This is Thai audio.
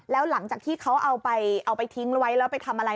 แล้วหลังจากที่เขาเอาไปเอาไปทิ้งไว้แล้วไปทำอะไร